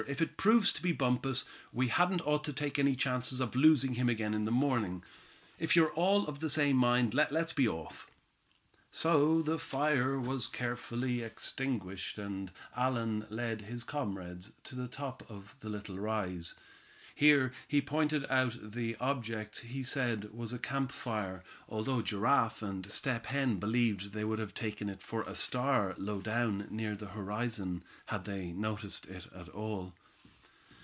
"If it proves to be Bumpus, we hadn't ought to take any chances of losing him again in the morning. If you're all of the same mind, let's be off." So the fire was carefully extinguished, and Allan led his comrades to the top of the little rise. Here he pointed out the object he said was a campfire, although Giraffe and Step Hen believed they would have taken it for a star low down near the horizon, had they noticed it at all.